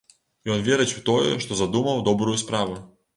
Ён верыць у тое, што задумаў добрую справу.